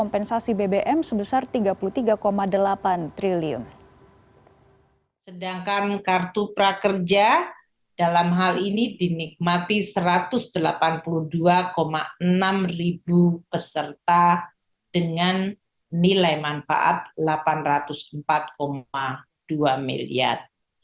peserta yang menilai manfaat rp satu ratus delapan puluh dua enam ribu peserta dengan nilai manfaat rp delapan ratus